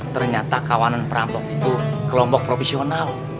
ternyata kawanan perampok itu kelompok profesional